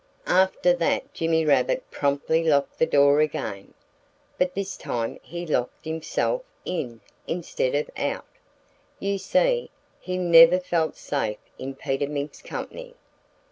After that Jimmy Rabbit promptly locked the door again. But this time he locked himself in instead of out. You see, he never felt safe in Peter Mink's company.